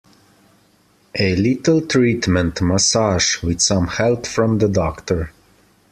A little treatment, massage, with some help from the doctor.